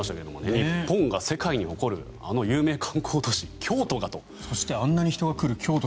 日本が世界に誇るあの有名観光都市、京都がと。